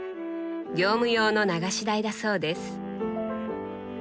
業務用の流し台だそうです。